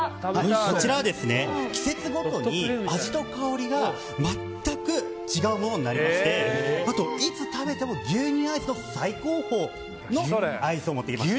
こちらは季節ごとに味と香りが全く違うものになりましてあと、いつ食べても牛乳アイスの最高峰のアイスと思っています。